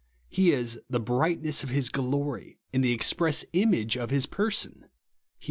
He is "the brightness of his glory, and the express image of his person," (Heb.